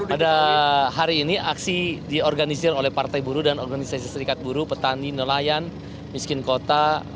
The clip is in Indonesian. pada hari ini aksi diorganisir oleh partai buruh dan organisasi serikat buruh petani nelayan miskin kota